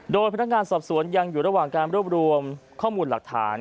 โดยพนักงานสอบสวนยังอยู่ระหว่างการรวบรวมข้อมูลหลักฐาน